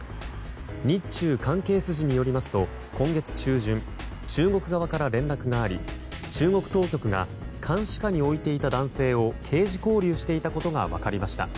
日中関係筋によりますと今月中旬中国側から連絡があり中国当局が監視下に置いていた男性を刑事拘留していたことが分かりました。